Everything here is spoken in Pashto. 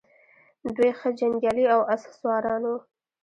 دوی ښه جنګیالي او آس سواران وو